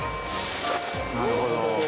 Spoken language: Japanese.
なるほど。